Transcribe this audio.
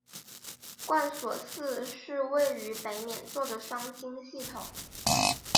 贯索四是位于北冕座的双星系统。